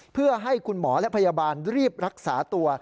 เพื่อให้คุณหมอและพยาบาลรีบรักษาตัว